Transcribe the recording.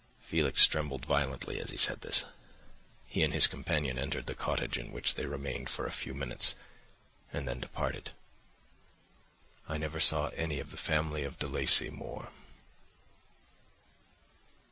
"Felix trembled violently as he said this. He and his companion entered the cottage, in which they remained for a few minutes, and then departed. I never saw any of the family of De Lacey more.